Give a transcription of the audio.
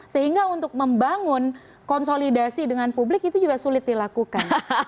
sehingga untuk membangun konsolidasi dengan publik itu juga sulit dilakukan